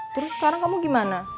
terus sekarang kamu gimana